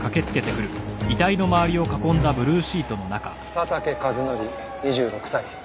佐竹和則２６歳。